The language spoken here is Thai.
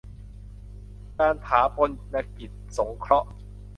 การฌาปนกิจสงเคราะห์